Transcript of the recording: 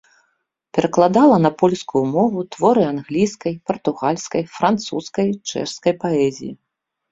Перакладала на польскую мову творы англійскай, партугальскай, французскай, чэшскай паэзіі.